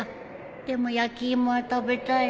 でも焼き芋は食べたいな